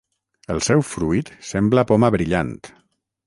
El seu fruit sembla poma brillant.